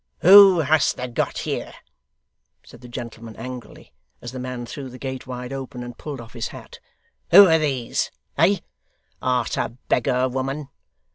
'Who hast thou got here?' said the gentleman angrily, as the man threw the gate wide open, and pulled off his hat, 'who are these? Eh? art a beggar, woman?